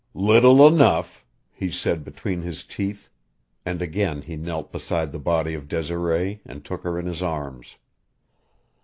"Little enough," he said between his teeth, and again he knelt beside the body of Desiree and took her in his arms.